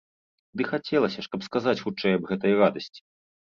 Дык хацелася ж, каб сказаць хутчэй аб гэтай радасці.